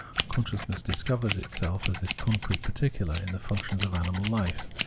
Consciousness discovers itself as this concrete particular in the functions of animal hfe.